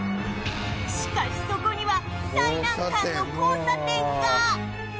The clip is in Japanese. しかしそこには最難関の交差点が！